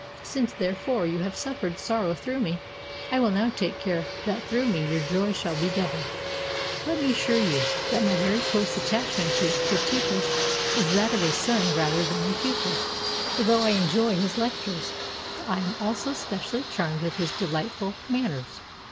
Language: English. Since, therefore, you have suffered sorrow through me, I will now take care that through me your joy shall be doubled. Let me as sure you that my very close attachment to Cratippus is that of a son rather than a pupil : for though I enjoy his lectures, I am also specially charmed with his delightful manners.